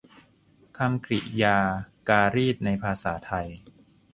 คำกริยาการีตในภาษาไทย